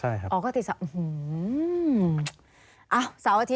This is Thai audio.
อื้อหือ